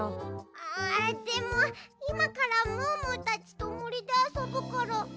んでもいまからムームーたちともりであそぶから。